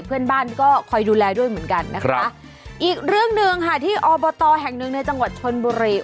เพื่อนบ้านก็คอยดูแลด้วยเหมือนกันนะคะอีกเรื่องหนึ่งค่ะที่อบตแห่งหนึ่งในจังหวัดชนบุรี